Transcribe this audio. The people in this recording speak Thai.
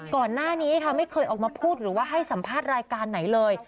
ก่อนหน้านี้ค่ะไม่เคยออกมาพูดหรือว่าให้สัมภาษณ์รายการไหนเลย